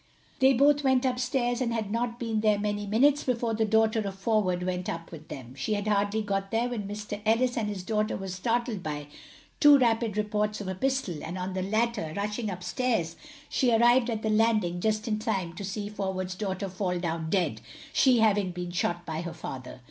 They both went up stairs, and had not been there many minutes before the daughter of Forward went up with them. She had hardly got there when Mr Ellis and his daughter were startled by two rapid reports of a pistol, and on the latter rushing up stairs she arrived at the landing just in time to see Forward's daughter fall down dead, she having been shot by her father.